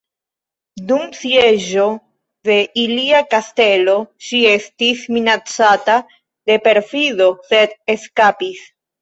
Dum sieĝo de ilia kastelo ŝi estis minacata de perfido sed eskapis.